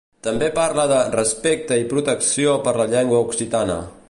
També parla de “respecte i protecció per la llengua occitana”.